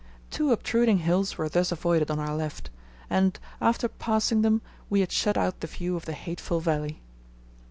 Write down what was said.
Two obtruding hills were thus avoided on our left, and after passing them we had shut out the view of the hateful valley.